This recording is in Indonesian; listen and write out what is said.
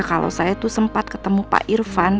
kalau saya tuh sempat ketemu pak irvan